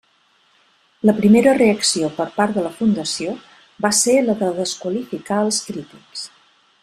La primera reacció per part de la Fundació va ser la de desqualificar els crítics.